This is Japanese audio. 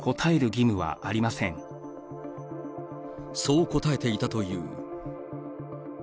そう答えていたという。